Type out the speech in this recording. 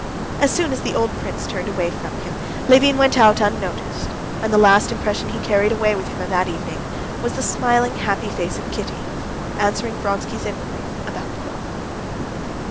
As soon as the old prince turned away from him, Levin went out unnoticed, and the last impression he carried away with him of that evening was the smiling, happy face of Kitty answering Vronsky's inquiry about the ball.